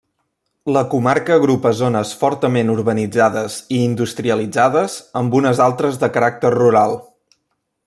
La comarca agrupa zones fortament urbanitzades i industrialitzades amb unes altres de caràcter rural.